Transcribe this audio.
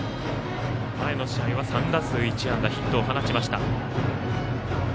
前の試合は３打数１安打ヒットを放ちました。